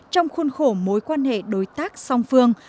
trong khuôn khổ mối quan hệ đối tác song phương